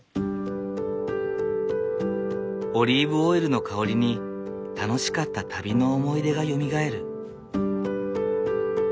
オリーブオイルの香りに楽しかった旅の思い出がよみがえる。